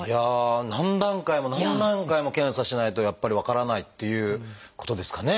何段階も何段階も検査しないとやっぱり分からないっていうことですかね。